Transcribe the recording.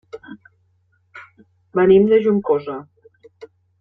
Venim de Juncosa.